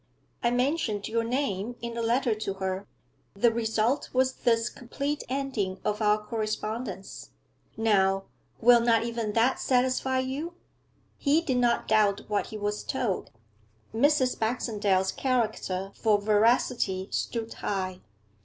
I mentioned your name in a letter to her; the result was this complete ending of our correspondence. Now, will not even that satisfy you?' He did not doubt what he was told; Mrs. Baxendale's character for veracity stood high.